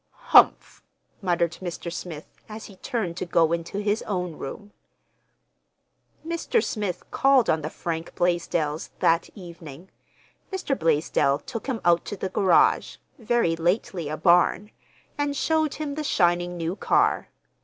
"Humph!" muttered Mr. Smith, as he turned to go into his own room. Mr. Smith called on the Frank Blaisdells that evening. Mr. Blaisdell took him out to the garage (very lately a barn), and showed him the shining new car.